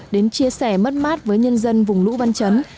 đến chia sẻ mất mát với nhân dân vùng lũ văn chấn